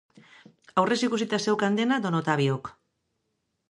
Aurrez ikusita zeukan dena don Ottaviok.